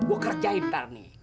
gue kerjain ntar nih